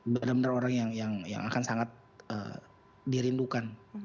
bener bener orang yang akan sangat dirindukan